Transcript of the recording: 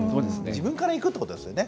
自分からいくということですね。